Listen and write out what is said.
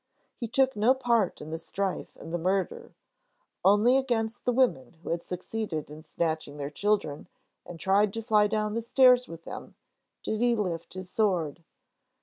He took no part in the strife and the murder: only against the women who had succeeded in snatching their children and tried to fly down the stairs with them did he lift his sword.